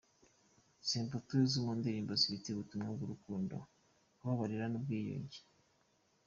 Samputu azwi mu ndirimbo zifite ubutumwa bw'urukundo, kubabarira n'ubwiyunge.